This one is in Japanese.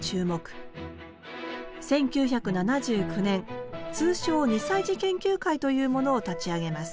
１９７９年通称「２歳児研究会」というものを立ち上げます。